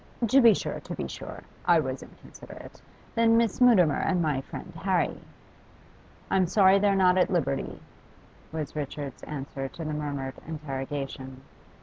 'To be sure, to be sure; I was inconsiderate. Then Miss Mutimer and my friend Harry ' 'I'm sorry they're not at liberty,' was Richard's answer to the murmured interrogation.